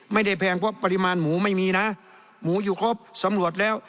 แพงเพราะปริมาณหมูไม่มีนะหมูอยู่ครบสำรวจแล้ว